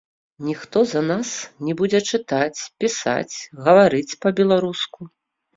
Ніхто за нас не будзе чытаць, пісаць, гаварыць па-беларуску.